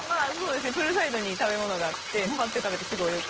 プールサイドに食べ物があってパッて食べてすぐ泳ぐ。